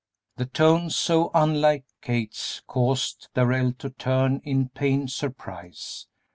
The tones, so unlike Kate's, caused Darrell to turn in pained surprise.